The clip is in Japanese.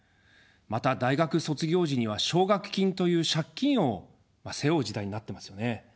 また大学卒業時には奨学金という借金を背負う時代になってますよね。